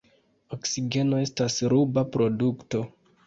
Oksigeno estas ruba produkto.